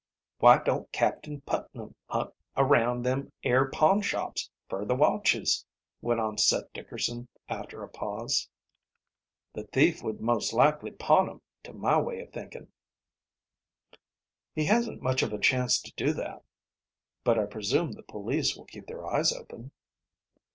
"Why don't Captain Putnam hunt around them air pawnshops fer the watches?" went on Seth Dickerson, after a pause. "The thief would most likely pawn 'em, to my way of thinkin'." "He hasn't much of a chance to do that. But I presume the police will keep their eyes open."